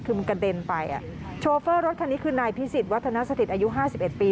คือมันกระเด็นไปโชเฟอร์รถคันนี้คือนายพิสิทธิ์วัฒนสถิตย์อายุ๕๑ปี